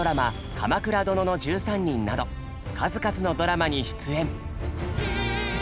「鎌倉殿の１３人」など数々のドラマに出演。